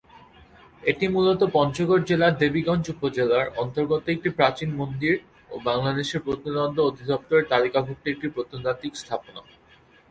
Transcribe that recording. এটি মূলত পঞ্চগড় জেলার দেবীগঞ্জ উপজেলার অন্তর্গত একটি প্রাচীন মন্দির ও বাংলাদেশ প্রত্নতত্ত্ব অধিদপ্তর এর তালিকাভুক্ত একটি প্রত্নতাত্ত্বিক স্থাপনা।